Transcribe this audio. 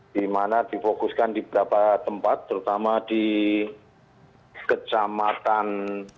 di mana difokuskan di beberapa tempat terutama di kecamatan